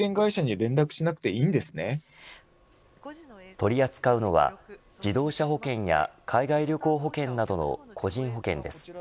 取り扱うのは自動車保険や海外旅行保険などの個人保険です。